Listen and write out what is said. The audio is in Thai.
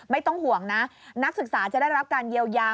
ไม่ต้องห่วงนะนักศึกษาจะได้รับการเยียวยา